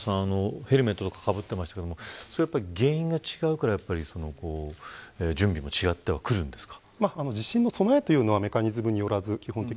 ヘルメットとかかぶってましたけれどもそれは原因が違うから準備も違ってはくるんですか。